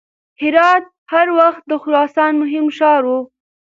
هرات هر وخت د خراسان مهم ښار و.